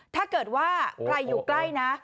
ถ้าเกิดว่าใครอยู่ใกล้นะ